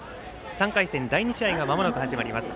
３回戦、第２試合試合がまもなく始まります。